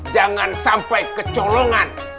jangan sampai kecolongan